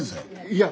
いや。